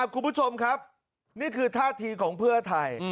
คุณผู้ชมครับนี่คือท่าทีของเพื่อไทย